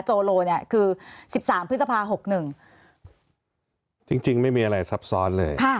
โจโลเนี่ยคือ๑๓พฤษภา๖หนึ่งจริงจริงไม่มีอะไรซับซ้อนเลย